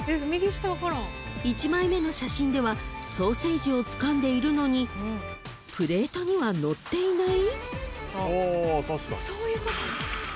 ［１枚目の写真ではソーセージをつかんでいるのにプレートにはのっていない？］